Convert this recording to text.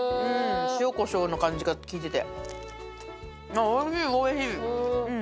塩コショウの感じが効いてて。